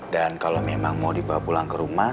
dan kalau memang mau dibawa pulang ke rumah